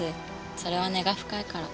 それは根が深いから。